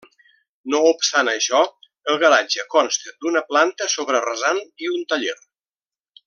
No obstant això el garatge consta d'una planta sobre rasant i un taller.